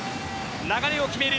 流れを決める